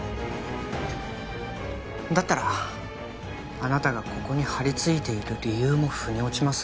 だったらあなたがここに張りついている理由も腑に落ちます。